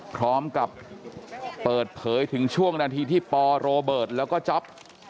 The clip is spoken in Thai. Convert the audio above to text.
พร้อมกับเปิดเผยถึงช่วงนาทีที่ปโรเบิร์ตแล้วก็จ๊อป